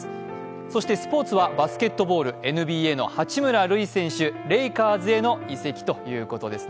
そしてスポーツはバスケットボールＮＢＡの八村塁選手、レイカーズへの移籍ということですね。